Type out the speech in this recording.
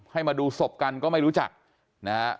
มาดูศพกันก็ไม่รู้จักนะฮะ